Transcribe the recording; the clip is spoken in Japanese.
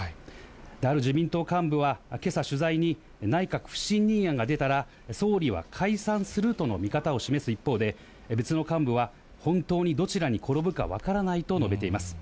ある自民党幹部は、けさ取材に、内閣不信任案が出たら、総理は解散するとの見方を示す一方で、別の幹部は、本当にどちらに転ぶか分からないと述べています。